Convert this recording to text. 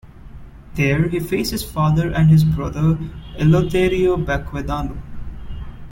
There, he faced his father and his brother Eleuterio Baquedano.